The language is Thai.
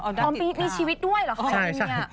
มีชีวิตด้วยเหรอครับ